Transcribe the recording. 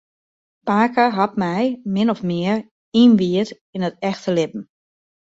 Pake hat my min ofte mear ynwijd yn it echte libben.